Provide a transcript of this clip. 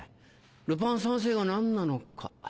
ルパン三世が何なのか。